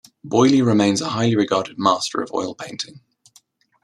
Boilly remains a highly regarded master of oil painting.